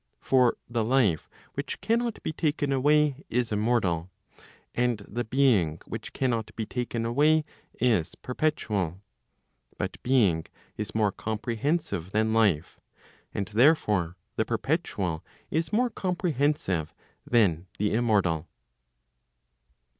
For the life which cannot be taken away is immortal, and the being which cannot be taken away is perpetual. But being is more comprehensive than life, and therefore the perpetual is more comprehen¬ sive than the immortal.'